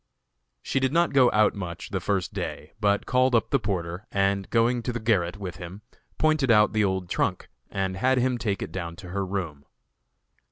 She did not go out much the first day, but called up the porter, and, going to the garret with him, pointed out the old trunk and had him take it down to her room.